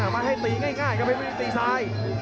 มาให้ตีง่ายครับเพชรวินิสต์ตีซ้าย